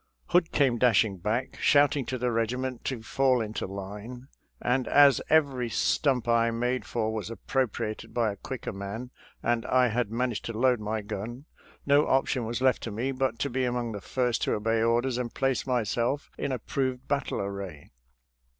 Hood came dashing back, shouting to the regiment to fall into line, and as every stump I made for was appropriated by a quicker man, and I had managed to load my gun, no option was left me but to be among the first to obey orders and place myself in approved battle array.